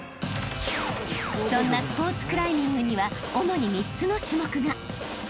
［そんなスポーツクライミングには主に３つの種目が］